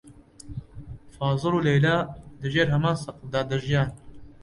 فازڵ و لەیلا لەژێر هەمان سەقفدا دەژیان.